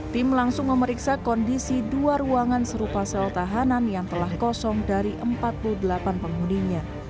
tim langsung memeriksa kondisi dua ruangan serupa sel tahanan yang telah kosong dari empat puluh delapan penghuninya